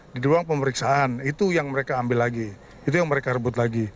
di ruang pemeriksaan itu yang mereka ambil lagi itu yang mereka rebut lagi